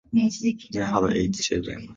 They had eight children.